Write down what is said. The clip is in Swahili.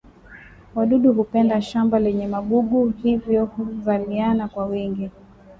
wadudu hupenda shamba lenye magugu hivyo huzaliana kwa wingi